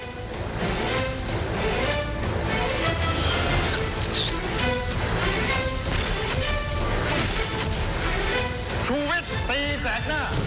อย่างนี้เดี๋ยวคุยกับคนเลวเลยผมไม่ต้องการ